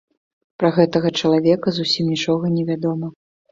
Пра гэтага чалавека зусім нічога не вядома.